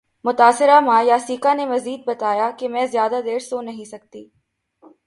متاثرہ ماں یاسیکا نے مزید بتایا کہ میں زیادہ دیر سو نہیں سکتی